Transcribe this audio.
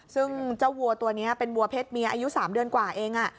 ซึ่งเจ้าวัวตัวนี้เป็นวัวเพศเมียอายุ๓เดือนกว่าเอง